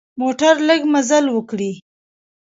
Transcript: موټر لږ مزل وکړي.